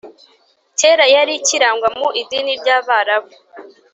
kera yari ikirangwa mu idini ry’abarabu